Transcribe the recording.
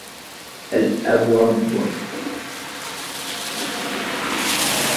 الْأَبُ رَبٌّ